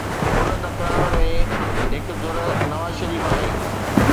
ان تڪرار ۾ هڪ ڌر نواز شريف آهي